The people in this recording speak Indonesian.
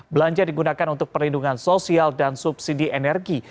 belanja digunakan untuk perlindungan sosial dan subsidi energi